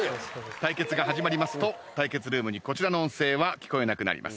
対決が始まりますと対決ルームにこちらの音声は聞こえなくなります。